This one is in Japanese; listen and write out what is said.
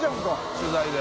取材で。